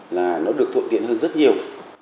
là nó được thuận tiện hơn rất nhiều